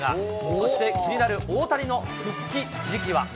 そして、気になる大谷の復帰時期は。